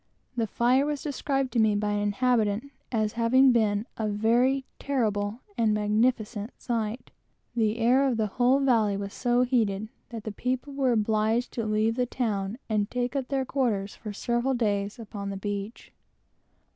The fire was described to me by an inhabitant, as having been a very terrible and magnificent sight. The air of the whole valley was so heated that the people were obliged to leave the town and take up their quarters for several days upon the beach.